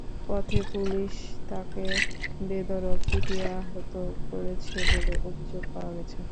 পথে পুলিশ তাঁকে বেধড়ক পিটিয়ে আহত করেছে বলে অভিযোগ পাওয়া গেছে।